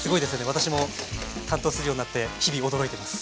私も担当するようになって日々驚いてます。